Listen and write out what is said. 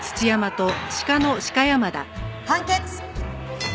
判決。